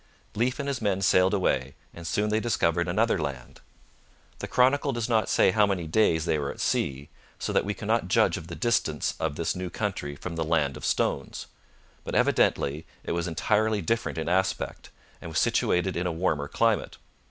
Leif and his men sailed away, and soon they discovered another land. The chronicle does not say how many days they were at sea, so that we cannot judge of the distance of this new country from the Land of Stones. But evidently it was entirely different in aspect, and was situated in a warmer climate.